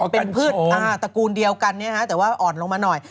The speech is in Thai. เป็นพืชตระกูลเดียวกันแต่ว่าอ่อนลงมาหน่อย